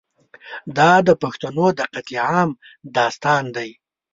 دا د پښتنو د قتل عام داستان دی.